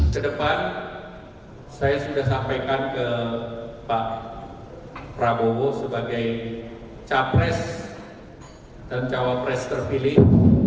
kedepan saya sudah sampaikan ke pak prabowo sebagai capres dan cawapres terpilih